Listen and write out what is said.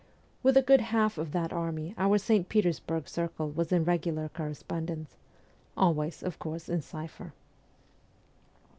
"With a good half of that army our St. Petersburg circle was in regular correspondence always, of course, in cipher.